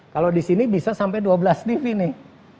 kalau disini bisa sampai dua belas tv nih